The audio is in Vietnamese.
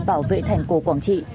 bảo vệ thành cổ quảng trị